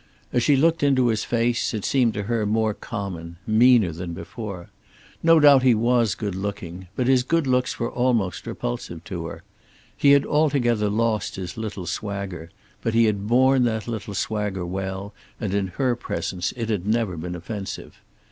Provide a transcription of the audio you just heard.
As she looked into his face, it seemed to her more common, meaner than before. No doubt he was good looking, but his good looks were almost repulsive to her. He had altogether lost his little swagger; but he had borne that little swagger well, and in her presence it had never been offensive.